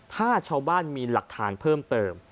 ถ้าชาวบ้านมีหลักฐานเพิ่มเติม